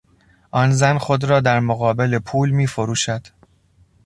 آن زن خود را در مقابل پول میفروشد.